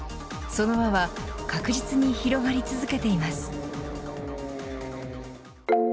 その輪は、確実に広がり続けています。